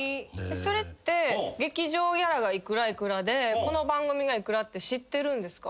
それって劇場ギャラが幾ら幾らでこの番組が幾らって知ってるんですか？